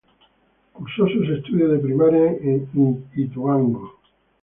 Cursó sus estudios de primaria en Ituango.